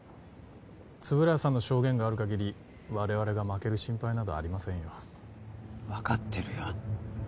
円谷さんの証言がある限り我々が負ける心配などありませんよ分かってるよ